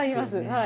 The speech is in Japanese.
はい。